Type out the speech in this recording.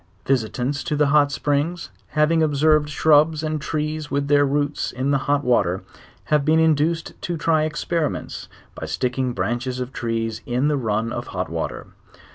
Visitants to the hot springs, having observed shrubs and trees with their roots in the hot vvaler, have been induced to try experiments, by sticking branches of trees in the run of/ hot water.